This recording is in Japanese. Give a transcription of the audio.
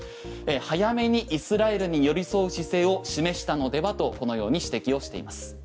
早めにイスラエルに寄り添う姿勢を示したのではとこのように指摘をしています。